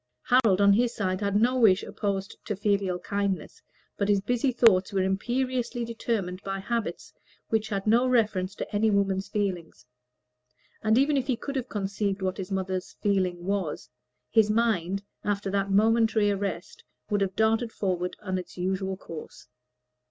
Harold, on his side, had no wish opposed to filial kindness, but his busy thoughts were determined by habits which had no reference to any woman's feelings; and even if he could have conceived what his mother's feeling was, his mind, after that momentary arrest, would have darted forward on its usual course.